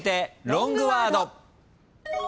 ロングワード。